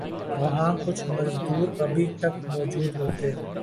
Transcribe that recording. وہاں کچھ مزدور ابھی تک موجود ہوتے